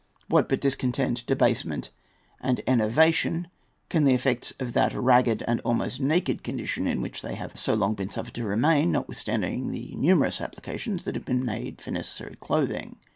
What but discontent, debasement, and enervation, can be the effects of that ragged and almost naked condition in which they have so long been suffered to remain, notwithstanding the numerous applications that have been made for the necessary clothing?